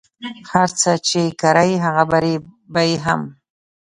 هر څه چی کری هغه به ریبی هم